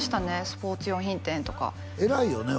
スポーツ用品店とか偉いよね